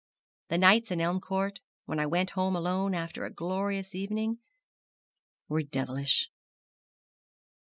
The nights in Elm Court, when I went home alone after a glorious evening, were devilish.